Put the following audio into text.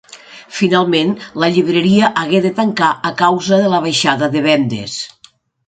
Finalment, la llibreria hagué de tancar a causa de la baixada de vendes.